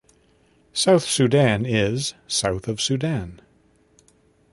South Sudan is south of Sudan